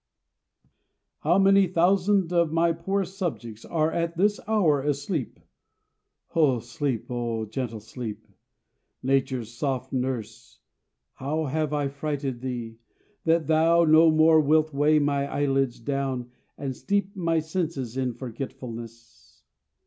How many thousand of my poorest subjects Are at this hour asleep! O sleep! O gentle sleep! Nature's soft nurse, how have I frighted thee, That thou no more wilt weigh my eyelids down And steep my senses in forgetfulness?